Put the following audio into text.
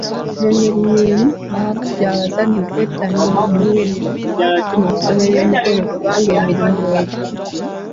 Mu ngeri y'emu, awabudde abazadde okwettanira okuweerera abaana okusoma eby'emikono kubanga emirimu weegiri.